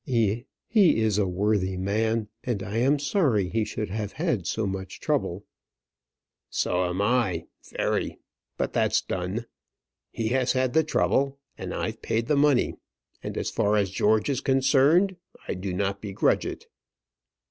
"He is a worthy man, and I am sorry he should have had so much trouble." "So am I, very; but that's done. He has had the trouble, and I've paid the money; and, as far as George is concerned, I do not begrudge it."